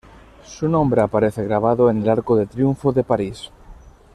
Su nombre aparece grabado en el Arco de Triunfo de París.